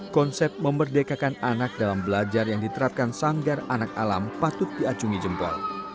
konsep memerdekakan anak dalam belajar yang diterapkan sanggar anak alam patut diacungi jempol